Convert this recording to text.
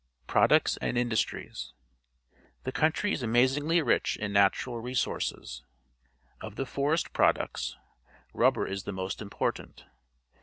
Products and Industries. — The country is amazingly rich in natural resources. Of the forest products, rubbei' is the most important.